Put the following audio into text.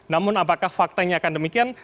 namun apakah faktanya akan demikian